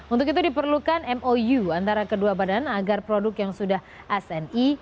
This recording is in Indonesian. untuk itu diperlukan mou antara kedua badan agar produk yang sudah sni